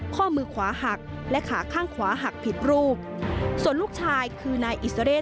ข้อมือขวาหักและขาข้างขวาหักผิดรูปส่วนลูกชายคือนายอิสเรศ